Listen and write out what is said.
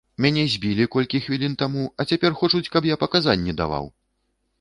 Мяне збілі колькі хвілін таму, а цяпер хочуць, каб я паказанні даваў!